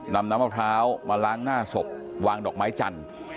น้ำมะพร้าวมาล้างหน้าศพวางดอกไม้จันทร์